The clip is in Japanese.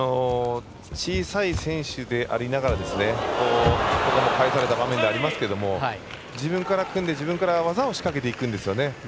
小さい選手でありながら返された場面ではありますが自分から組んで、自分から技を仕掛けていくんですよね。